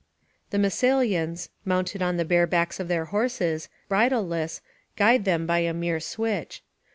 ["The Massylians, mounted on the bare backs of their horses, bridleless, guide them by a mere switch."